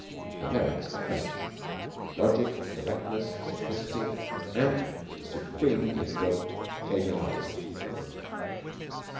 Her merits are French logic, directness, simplicity, and the supreme gift of "occasionality."